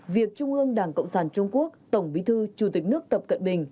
việc trung ương đảng cộng sản trung quốc tổng bí thư chủ tịch nước tập cận bình